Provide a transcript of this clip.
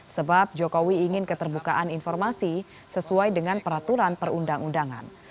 sebab jokowi ingin keterbukaan informasi sesuai dengan peraturan perundang undangan